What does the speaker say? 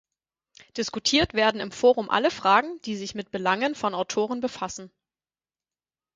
Diskutiert werden im Forum alle Fragen, die sich mit Belangen von Autoren befassen.